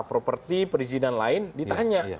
properti perizinan lain ditanya